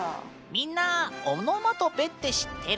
みんなオノマトペって知ってる？